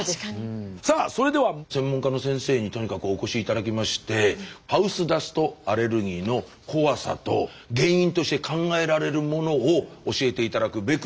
さあそれでは専門家の先生にとにかくお越し頂きましてハウスダストアレルギーの怖さと原因として考えられるものを教えて頂くべく。